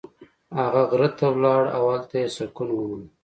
هغه غره ته لاړ او هلته یې سکون وموند.